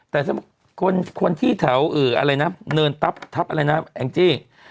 แต่คนที่เถาอะไรนะเนินทัพทัพอะไรนะแองจิ